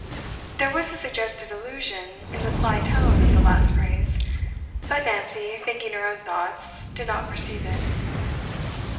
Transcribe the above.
There was a suggested allusion in the sly tone of the last phrase; but Nancy, thinking her own thoughts, did not perceive it.